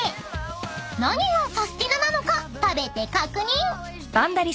［何がサスティななのか食べて確認］